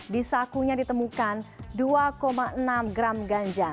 di sakunya ditemukan dua enam gram ganja